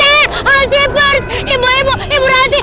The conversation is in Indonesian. hansipers ibu ibu ibu ronti